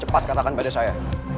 jangan meletakkan pada saya